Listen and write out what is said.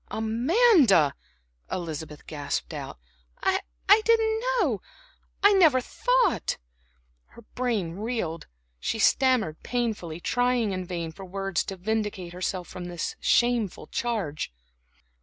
"Amanda," Elizabeth gasped out. "I I didn't know. I I never thought" Her brain reeled, she stammered painfully, trying in vain for words to vindicate herself from this shameful charge.